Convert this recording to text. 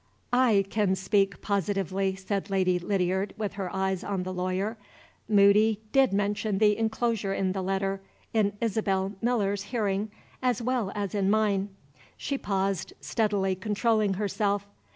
"I can speak positively," said Lady Lydiard, with her eyes on the lawyer. "Moody did mention the inclosure in the letter in Isabel Miller's hearing as well as in mine." She paused, steadily controlling herself.